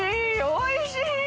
おいしい！